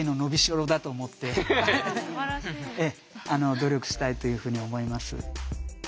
努力したいというふうに思います。